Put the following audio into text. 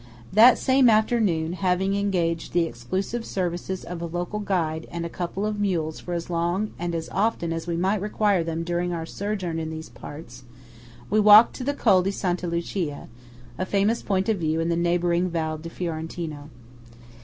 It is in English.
That same afternoon, having engaged the exclusive services of a local guide and a couple of mules for as long and as often as we might require them during our sojourn in these parts, we walked to the Col di Santa Lucia, a famous point of view in the neighbouring Val Fiorentino.